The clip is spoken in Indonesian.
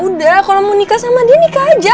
udah kalau mau nikah sama dia nikah aja